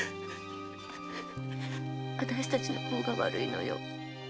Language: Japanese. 私たちの方が悪いのよ。